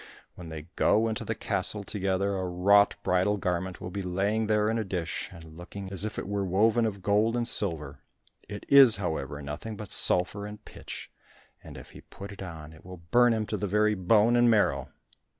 When they go into the castle together, a wrought bridal garment will be lying there in a dish, and looking as if it were woven of gold and silver; it is, however, nothing but sulphur and pitch, and if he put it on, it will burn him to the very bone and marrow."